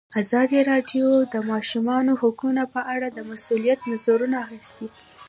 ازادي راډیو د د ماشومانو حقونه په اړه د مسؤلینو نظرونه اخیستي.